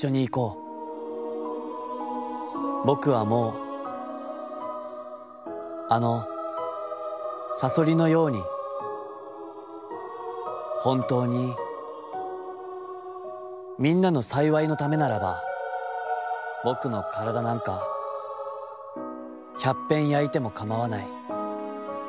僕はもうあのさそりのやうにほんたうにみんなの幸のためならば僕のからだなんか百ぺん灼いてもかまはない』。